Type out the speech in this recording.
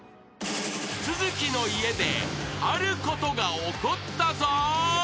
［都築の家であることが起こったぞ］